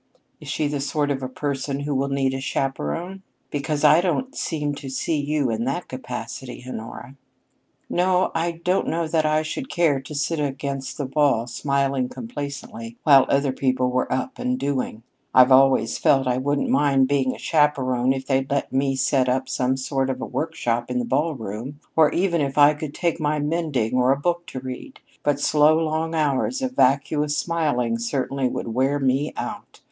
"Is she the sort of a person who will need a chaperon? Because I don't seem to see you in that capacity, Honora." "No, I don't know that I should care to sit against the wall smiling complacently while other people were up and doing. I've always felt I wouldn't mind being a chaperon if they'd let me set up some sort of a workshop in the ballroom, or even if I could take my mending, or a book to read. But slow, long hours of vacuous smiling certainly would wear me out.